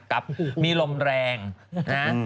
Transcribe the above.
กับมีลมแรงนะ